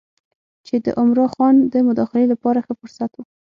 چې د عمرا خان د مداخلې لپاره ښه فرصت و.